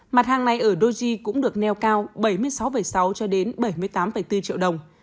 mặt hàng này ở doji cũng được neo cao bảy mươi sáu sáu cho đến bảy mươi tám bốn triệu đồng